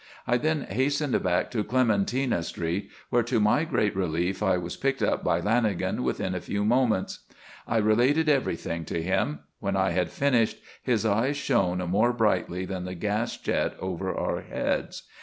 I then hastened back to Clementina Street, where to my great relief, I was picked up by Lanagan within a few moments. I related everything to him. When I had finished his eyes shone more brightly than the gas jet over our heads.